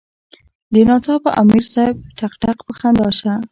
ناڅاپه امیر صېب ټق ټق پۀ خندا شۀ ـ